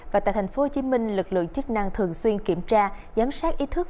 và tại tp hcm lực lượng chức năng thường xuyên kiểm tra giám sát ý thức